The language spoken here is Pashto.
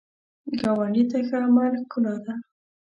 ګاونډي ته ښه عمل ښکلا ده